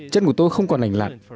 chân của tôi không còn lành lặn